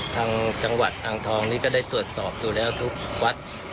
ทางจังหวัดอ่างทองนี้ก็ได้ตรวจสอบดูแล้วทุกวัด